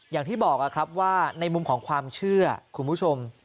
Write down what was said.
อย่างที่บอกครับว่าในมุมของความเชื่อคุณผู้ชม